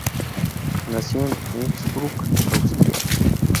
Nació en Innsbruck, Austria.